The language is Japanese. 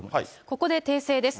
ここで訂正です。